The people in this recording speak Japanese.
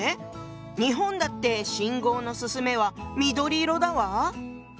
日本だって信号の「進め」は緑色だわ。